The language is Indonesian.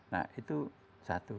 nah itu satu